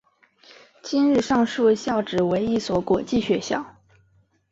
今日上述校扯为一所国际学校。